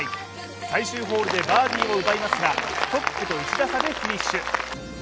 最終ホールでバーディーを奪いますがトップと１打差でフィニッシュ。